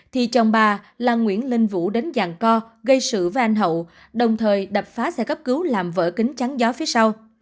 thì chồng bà là nguyễn linh vũ đến giàn co gây sự với anh hậu đồng thời đập phá xe cấp cứu làm vỡ kính trắng gió phía sau